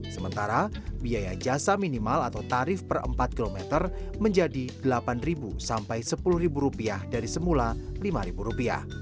sementara biaya jasa minimal atau tarif per empat km menjadi rp delapan sampai rp sepuluh dari semula rp lima